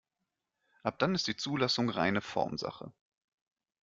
Ab dann ist die Zulassung reine Formsache.